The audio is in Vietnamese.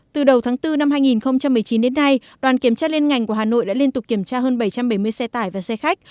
từ đầu tháng bốn năm hai nghìn một mươi chín đến nay đoàn kiểm tra liên ngành của hà nội đã liên tục kiểm tra hơn bảy trăm bảy mươi xe tải và xe khách